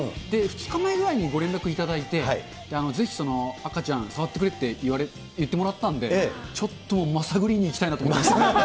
２日前ぐらいにご連絡頂いて、ぜひその赤ちゃん、触ってくれって言ってもらったんで、ちょっと、まさぐりに行きたいなと思ってますね。